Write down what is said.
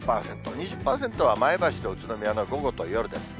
２０％は前橋と宇都宮の午後と夜です。